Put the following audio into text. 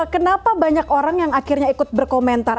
kenapa banyak orang yang akhirnya ikut berkomentar